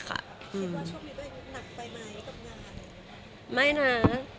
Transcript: คิดว่าตอนนี้ตัวเองหนังไปกับงานอะไรค่ะ